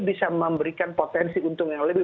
bisa memberikan potensi untung yang lebih